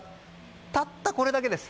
たったこれだけです。